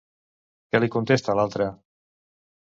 Què li contesta l'altre?